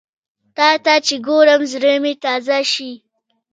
تاته چې ګورم، زړه مې تازه شي